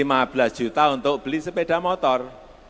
rp lima belas juta untuk beli sepeda motor